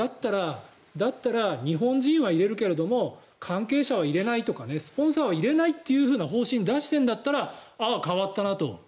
だったら日本人は入れるけれども関係者は入れないとかスポンサーを入れないという方針を出しているんだったらああ、変わったなと。